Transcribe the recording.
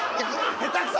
下手くそ！